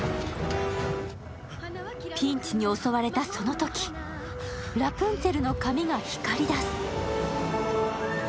ピンチに襲われたそのとき、ラプンツェルの髪が光りだす。